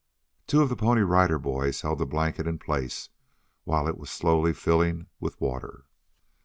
Two of the Pony Rider Boys held the blanket in place while it was slowly filling with water.